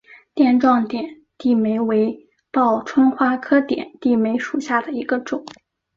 垫状点地梅为报春花科点地梅属下的一个种。